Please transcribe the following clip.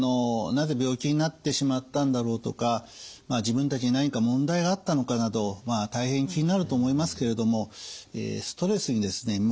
なぜ病気になってしまったんだろうとか自分たちに何か問題があったのかなど大変気になると思いますけれどもストレスにですね